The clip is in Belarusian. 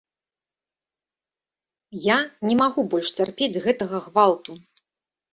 Я не магу больш цярпець гэтага гвалту.